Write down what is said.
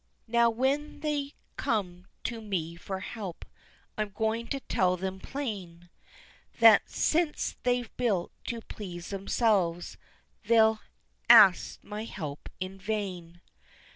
Now when they come to me for help I'm going to tell them, plain, That since they've built to please themselves they'll ask my help in vain."